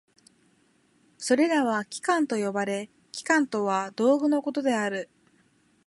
それらは器官と呼ばれ、器官とは道具のことである。